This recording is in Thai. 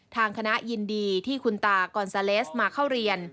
ทางคณะยินดีที่คุณตากอนซาเลสมาเข้าเรียน